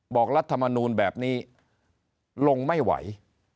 รัฐมนูลแบบนี้ลงไม่ไหว